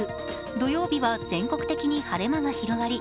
土曜日は全国的に晴れ間が広がり